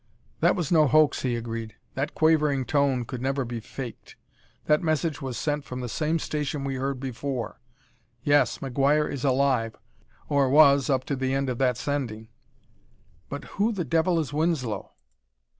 "That was no hoax," he agreed; "that quavering tone could never be faked. That message was sent from the same station we heard before. Yes, McGuire is alive or was up to the end of that sending.... But, who the devil is Winslow?"